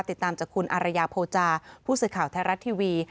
ติดตามจากคุณอรายพูจาร์ผู้สึกข่าวไทยรัฐทีวี